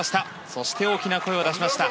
そして、大きな声を出しました。